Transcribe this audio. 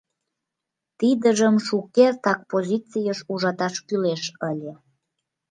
— Тидыжым шукертак позицийыш ужаташ кӱлеш ыле.